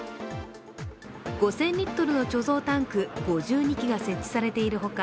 ５０００リットルの貯蔵タンク５２基が設置されているほか